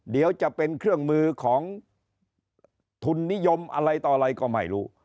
เดี๋ยวจะเป็นเครื่องมือของทุนนิยมอะไรต่ออะไรก็ไม่รู้